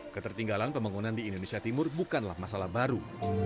ketertinggalan pembangunan di indonesia timur bukanlah masalah baru